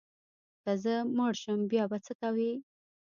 که زه مړ شم بیا به څه کوې؟